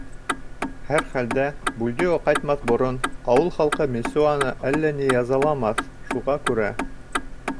Һәр хәлдә, Бульдео ҡайтмаҫ борон ауыл халҡы Мессуаны әллә ни язаламаҫ, шуға күрә...